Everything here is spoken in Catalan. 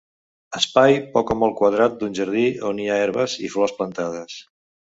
Espai poc o molt quadrat d'un jardí on hi ha herbes i flors plantades.